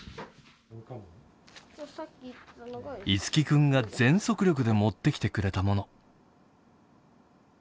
樹君が全速力で持ってきてくれたもの。